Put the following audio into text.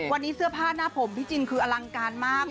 วันนี้เสื้อผ้าหน้าผมพี่จินคืออลังการมาก